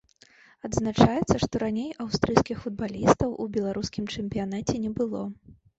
Адзначаецца, што раней аўстрыйскіх футбалістаў у беларускім чэмпіянаце не было.